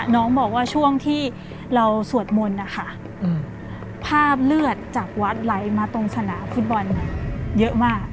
น้องบอกว่าช่วงที่เราสวดมนต์นะคะภาพเลือดจากวัดไหลมาตรงสนามฟุตบอลเยอะมาก